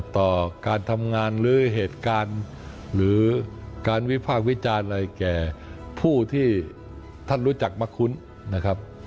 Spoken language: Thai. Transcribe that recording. ต่อการทำงานหรือเหตุการณ์หรือการวิพากษ์วิจารณ์อะไรแก่ผู้ที่ท่านรู้จักมะคุ้นนะครับ